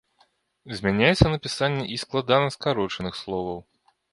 Змяняецца напісанне і складанаскарочаных словаў.